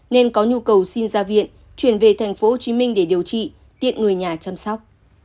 nên có nhu cầu xin ra viện chuyển về tp hcm để điều trị tiện người nhà chăm sóc